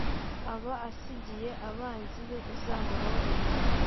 aba asigiye abanzi be uzamuhorera